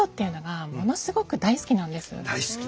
大好き。